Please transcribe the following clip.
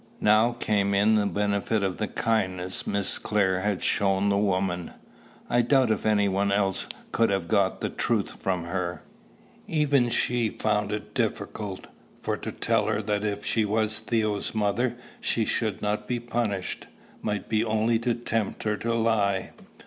Now came in the benefit of the kindness Miss Clare had shown the woman. I doubt if any one else could have got the truth from her. Even she found it difficult; for to tell her that if she was Theo's mother she should not be punished, might be only to tempt her to lie.